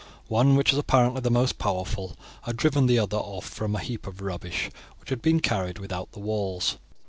One, which was apparently the most powerful, had driven the other off from a heap of rubbish which had been carried without the walls.